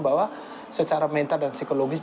bahwa secara mental dan psikologis